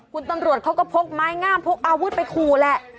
คุณตำรวจเขาก็พกไม้งามพกอาวุธไปขู่แหละ